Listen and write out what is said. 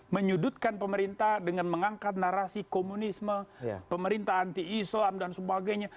menyudutkan pemerintah dengan mengangkat narasi komunisme pemerintah anti islam dan sebagainya